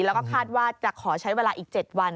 แล้วก็คาดว่าจะขอใช้เวลาอีก๗วัน